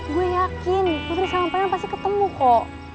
gua yakin putri sama panyalan pasti ketemu kok